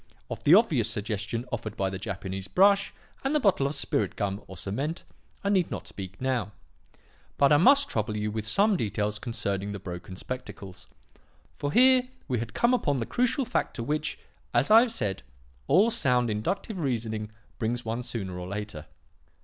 Of the obvious suggestion offered by the Japanese brush and the bottle of 'spirit gum' or cement, I need not speak now; but I must trouble you with some details concerning the broken spectacles. For here we had come upon the crucial fact to which, as I have said, all sound inductive reasoning brings one sooner or later.